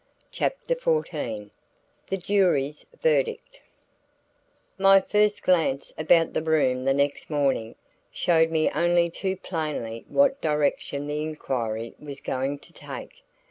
CHAPTER XIV THE JURY'S VERDICT My first glance about the room the next morning, showed me only too plainly what direction the inquiry was going to take.